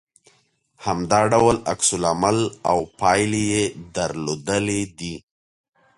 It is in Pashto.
همدا ډول عکس العمل او پايلې يې درلودلې دي